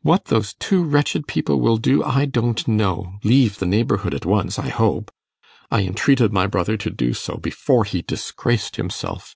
What those two wretched people will do I don't know leave the neighbourhood at once, I hope. I entreated my brother to do so, before he disgraced himself.